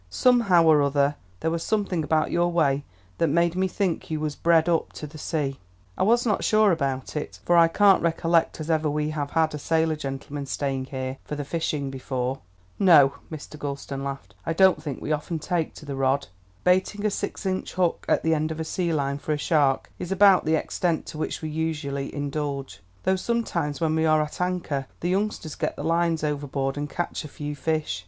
Somehow or other there was something about your way that made me think you was bred up to the sea. I was not sure about it, for I can't recollect as ever we have had a sailor gentleman staying here for the fishing before." "No," Mr. Gulston laughed, "I don't think we often take to the rod. Baiting a six inch hook at the end of a sea line for a shark is about the extent to which we usually indulge; though sometimes when we are at anchor the youngsters get the lines overboard and catch a few fish.